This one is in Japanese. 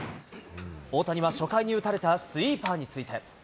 大谷は初回に打たれたスイーパーについて。